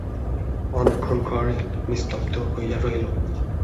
অনেকক্ষণ ঘর নিস্তব্ধ হইয়া রহিল।